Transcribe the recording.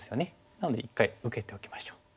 なので一回受けておきましょう。